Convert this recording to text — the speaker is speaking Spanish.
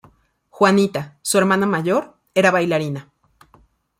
Juanita, su hermana mayor, era bailarina.